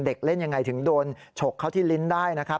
เด็กเล่นยังไงถึงโดนฉกเข้าที่ลิ้นได้นะครับ